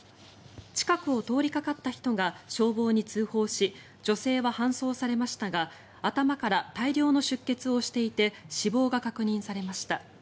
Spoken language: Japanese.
近くを通りかかった人が消防に通報し女性は搬送されましたが頭から大量の出血をしていて死亡が確認されました。